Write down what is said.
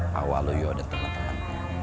pak waluyo dan teman teman